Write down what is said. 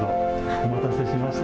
お待たせしました。